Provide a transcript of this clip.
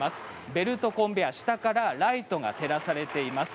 ベルトコンベヤー下からライトが照らされています。